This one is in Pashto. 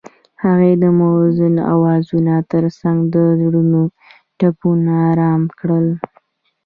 هغې د موزون اوازونو ترڅنګ د زړونو ټپونه آرام کړل.